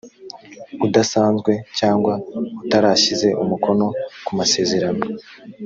udasanzwe cyangwa utarashyize umukono ku masezerano